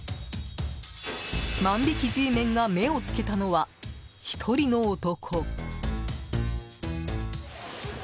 万引きＧメンが目をつけたのは１人の男。